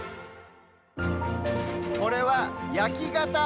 これは「やきがた」。